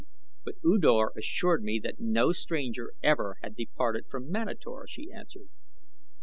"But U Dor assured me that no stranger ever had departed from Manator," she answered.